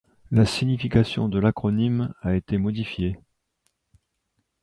La signification de l'acronyme a été modifiée.